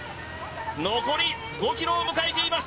残り５ｋｍを迎えています。